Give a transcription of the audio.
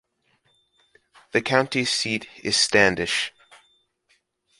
The county seat is Standish.